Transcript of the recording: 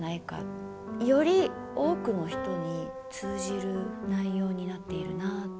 より多くの人に通じる内容になっているなあと。